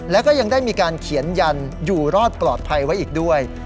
แล้วก็ยังได้มีการเขียนยันอยู่รอดปลอดภัยไว้อีกด้วย